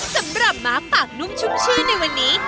สำหรับม้าปากนุ่มชุ่มชื่นในวันนี้